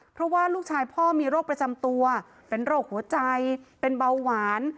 เพราะว่าลูกชายพ่อมีโรคประจำตัวเป็นโรคหัวใจเป็นเบาหวาน